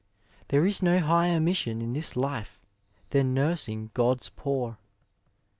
There is no higher mission in this life than nursing God's poor.